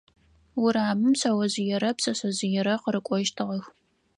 Урамым шъэожъыерэ пшъэшъэжъыерэ къырыкӏощтыгъэх.